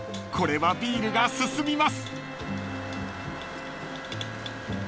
これはビールが進みます］